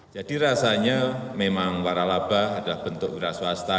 jadi rasanya memang warah laba adalah bentuk beras wasta